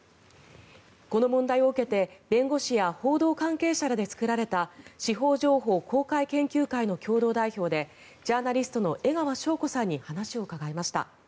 この問題を受けて弁護士や報道関係者らで作られた司法情報公開研究会の共同代表でジャーナリストの江川紹子さんに話を伺いました。